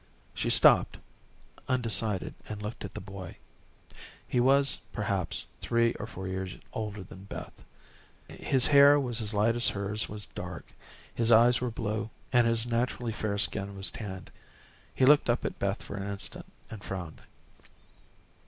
She stopped undecided, and looked at the boy. He was, perhaps, three or four years older than Beth. His hair was as light as hers was dark. His eyes were blue, and his naturally fair skin was tanned. He looked up at Beth for an instant, and frowned.